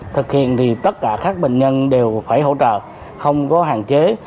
thực hiện thì tất cả các bệnh nhân đều phải hỗ trợ không có hạn chế